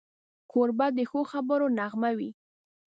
کوربه د ښو خبرو نغمه وي.